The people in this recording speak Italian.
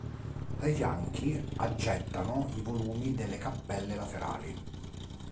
Dai fianchi aggettano i volumi delle cappelle laterali.